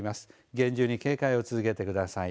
厳重に警戒を続けてください。